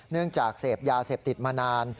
เนื่องจากเซ็บยาเซ็บติดมานาน